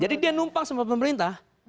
jadi dia numpang sama pemerintah